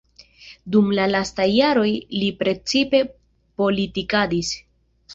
Dum la lastaj jaroj li precipe politikadis.